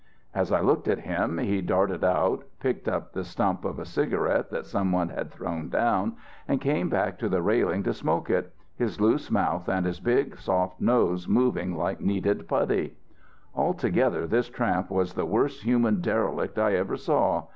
"As I looked at him he darted out, picked up the stump of a cigarette that someone had thrown down, and came back to the railing to smoke it, his loose mouth and his big soft nose moving like kneaded putty. "Altogether this tramp was the worst human derelict I ever saw.